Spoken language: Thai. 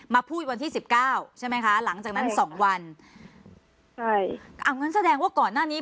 พูดวันที่สิบเก้าใช่ไหมคะหลังจากนั้นสองวันใช่เอางั้นแสดงว่าก่อนหน้านี้